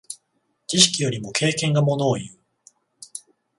知識よりも経験がものをいう。